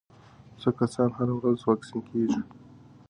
څه کسان هره ورځ واکسین کېږي؟